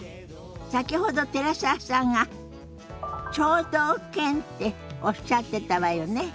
先ほど寺澤さんが聴導犬っておっしゃってたわよね。